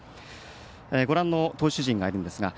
ご覧の投手陣がいます。